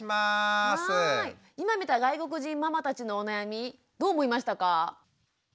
今見た外国人ママたちのお悩みどう思いましたか？